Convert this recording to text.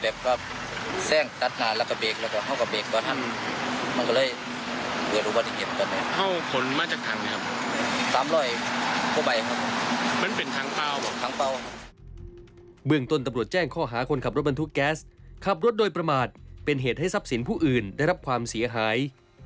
เบื้องต้นตำรวจแจ้งข้อหาคนขับรถบรรทุกแก๊สขับรถโดยประมาทเป็นเหตุให้ทรัพย์สินผู้อื่นได้รับความเสียหาย